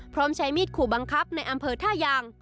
พร้อมใช้มีดขู่บังคับในอำเภอท่ายาง